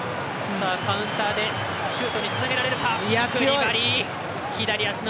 カウンターでシュートにつなげられるか。